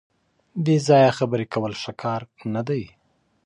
بې ځایه خبرې کول ښه کار نه دی.